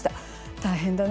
大変だな